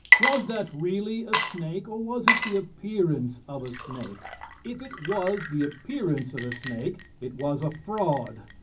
Was that really a snake, or was it the appearance of a snake? If it was the appearance of a snake, it was a fraud.